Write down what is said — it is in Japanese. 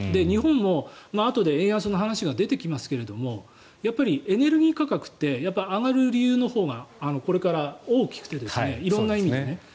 日本もあとで円安の話が出てきますがエネルギー価格って上がる理由のほうがこれから大きくて色んな意味で。